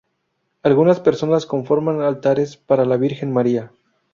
Algunas personas conforman altares para la Virgen María.